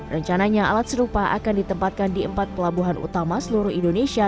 rencananya alat serupa akan ditempatkan di empat pelabuhan utama seluruh indonesia